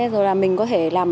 rồi mình có thể làm